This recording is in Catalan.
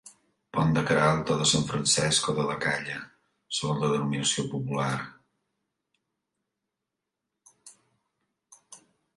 Pont de Queralt o de Sant Francesc o de la Calla, segons la denominació popular.